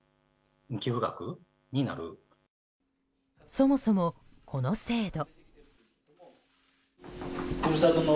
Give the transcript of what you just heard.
そもそも、この制度。